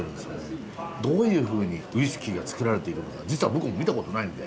どういうふうにウイスキーが造られているのか実は僕も見たことないんで。